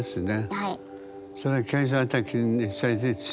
はい。